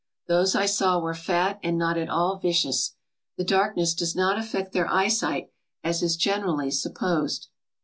Those I saw were fat and not at all vicious. The darkness does not affect their eyesight, as is generally supposed.